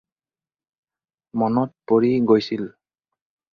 মনত পৰি গৈছিল।